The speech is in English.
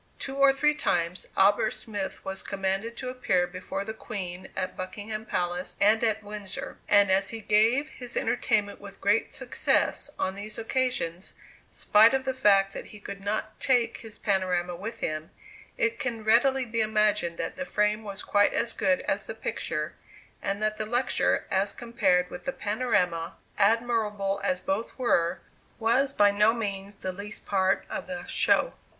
Two or three times Albert Smith was commanded to appear before the Queen at Buckingham Palace, and at Windsor, and as he gave his entertainment with great success on these occasions, spite of the fact that he could not take his panorama with him, it can readily be imagined that the frame was quite as good as the picture, and that the lecture as compared with the panorama, admirable as both were, was by no means the least part of the "show."